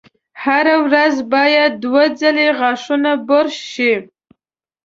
هره ورځ باید دوه ځلې غاښونه برش شي.